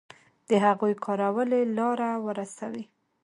د هغوی کارولې لاره ورسوي.